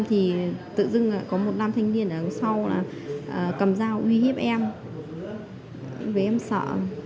thì tự dưng có một nam thanh niên ở đằng sau cầm dao huy hiếp em vì em sợ